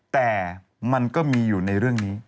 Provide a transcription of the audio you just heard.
แต่มันก็มีอยู่ในเรื่องนี้